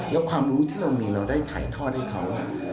แล้วความรู้ที่เรามีเราได้ถ่ายทอดให้เขา